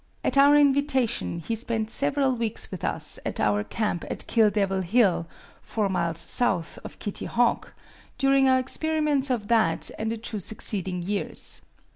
At our invitation, he spent several weeks with us at our camp at Kill Devil Hill, four miles south of Kitty Hawk, during our experiments of that and the two succeeding years.